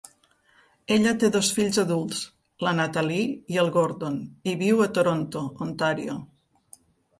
Ella té dos fills adults, la Natalie i el Gordon, i viu a Toronto, Ontàrio.